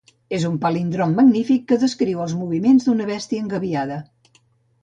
És un palíndrom magnífic, que descriu els moviments d'una bèstia engabiada.